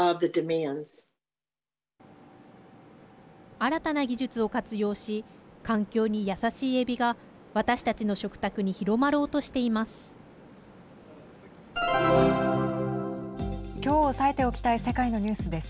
新たな技術を活用し環境に優しいえびが私たちの食卓に広まろうとしています。